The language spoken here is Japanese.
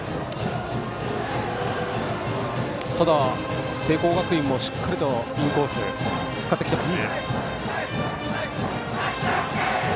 ただ、聖光学院もしっかりとインコースを使ってきています。